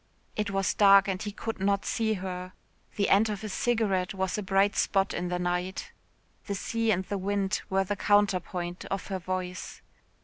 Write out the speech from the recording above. It was dark and he could not see her. The end of his cigarette was a bright spot in the night. The sea and the wind were the counterpoint of her voice.